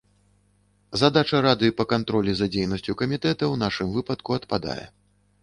Задача рады па кантролі за дзейнасцю камітэта ў нашым выпадку адпадае.